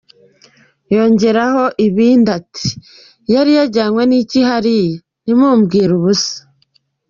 Yongeyeho ibindi ati “Yari yajyanywe n’iki hariya? Ntimumbwire ubusa.